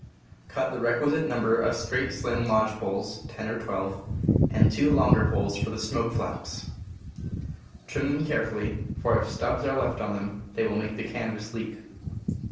Cut the requisite number of straight, slim ^ lodge poles (ten or twelve), and two ^* longer poles for the smoke flaps. Trim them carefully, for if stubs are left on them they will make the canvas leak.